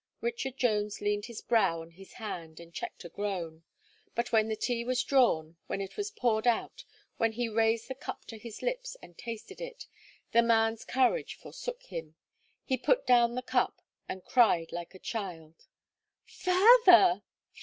Richard Jones leaned his brow on his hand, and checked a groan. But when the tea was drawn, when it was poured out, when he raised the cup to his lips and tasted it, the man's courage forsook him; he put down the cup, and cried like a child. "Father!